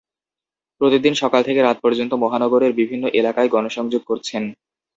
প্রতিদিন সকাল থেকে রাত পর্যন্ত মহানগরের বিভিন্ন এলাকায় গণসংযোগ করছেন।